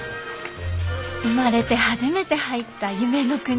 生まれて初めて入った夢の国。